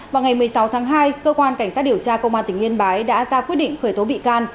vào ngày một mươi sáu tháng hai cơ quan cảnh sát điều tra công an tỉnh yên bái đã ra quyết định khởi tố bị can